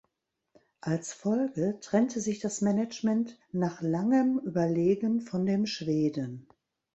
Als Folge trennte sich das Management nach langem Überlegen von dem Schweden.